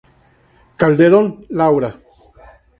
Calderón, Laura.